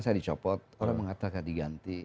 saya dicopot orang mengatakan diganti